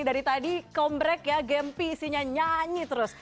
dari tadi kombrek ya gempy isinya nyanyi terus